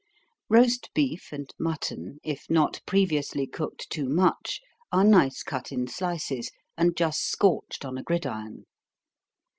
Roast beef and mutton, if not previously cooked too much, are nice cut in slices, and just scorched on a gridiron.